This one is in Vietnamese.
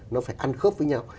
nó phải ăn khớp với nhau